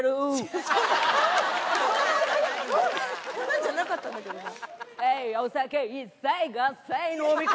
こんなんじゃなかったんだけどな。